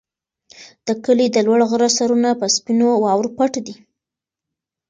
د کلي د لوړ غره سرونه په سپینو واورو پټ دي.